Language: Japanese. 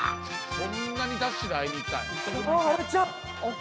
そんなにダッシュで会いに行ったんや。